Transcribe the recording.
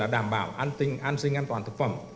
đảm bảo an sinh an toàn thực phẩm